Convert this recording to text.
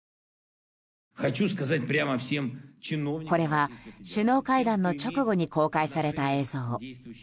これは首脳会談の直後に公開された映像。